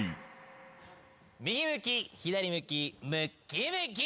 右向き左向きむっきむき。